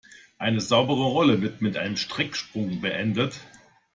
Eine saubere Rolle wird mit einem Strecksprung beendet.